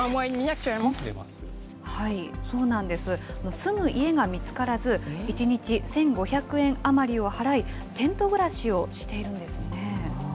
住む家が見つからず、１日１５００円余りを払い、テント暮らしをしているんですね。